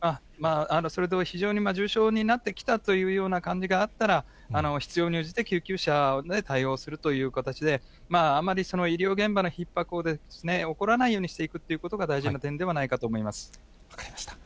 それと、非常に重症になってきたというような感じがあったら、必要に応じて救急車で対応するという形で、あまり医療現場のひっ迫を起こらないようにしていくということが分かりました。